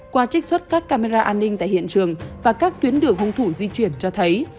qua trích xuất các camera an ninh tại hiện trường và các tuyến đường hung thủ di chuyển cho thấy